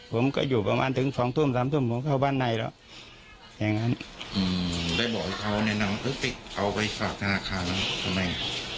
ผมก็อยู่ประมาณถึงสองทุ่มสามทุ่มผมเข้าบ้านในแล้วอย่างงั้นอืมได้บอกให้เขาแนะนำเอาไปฝากธนาคารแล้ว